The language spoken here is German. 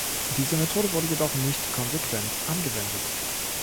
Diese Methode wurde jedoch nicht konsequent angewendet.